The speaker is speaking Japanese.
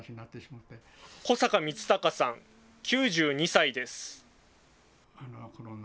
小坂光孝さん９２歳です。